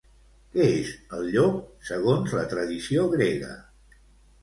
Què és el llop, segons la tradició grega?